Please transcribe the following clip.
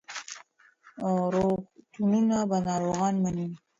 روغتونونه به ناروغان مني.